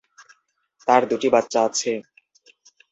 তার দুটি বাচ্চা আছে।